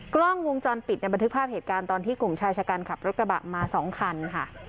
กล้องวงจรปิดในบันทึกภาพเหตุการณ์ตอนที่กลุ่มชายชะกันขับรถกระบะมา๒คันค่ะ